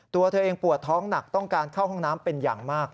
ตัวเธอเองปวดท้องหนักต้องการเข้าห้องน้ำเป็นอย่างมาก